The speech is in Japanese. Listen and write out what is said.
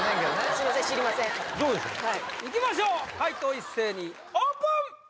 すいません知りませんそうでしょいきましょう解答一斉にオープン！